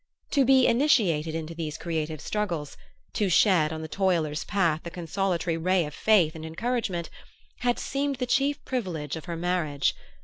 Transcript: To be initiated into these creative struggles, to shed on the toiler's path the consolatory ray of faith and encouragement, had seemed the chief privilege of her marriage.